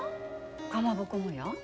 かまぼこもや。